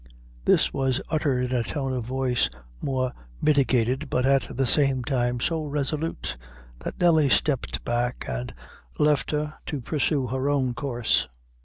This was uttered in a tone of voice more mitigated, but at the same time so resolute, that Nelly stepped back and left her to pursue her own course.